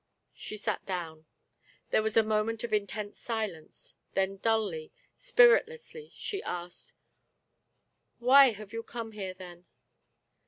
She sat down. There was a moment of intense silence, then dully, spiritlessly, she asked :" Why have you come here, then